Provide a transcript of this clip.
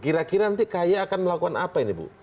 kira kira nanti kay akan melakukan apa ini bu